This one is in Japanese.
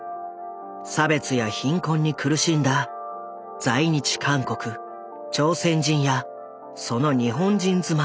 差別や貧困に苦しんだ在日韓国・朝鮮人やその日本人妻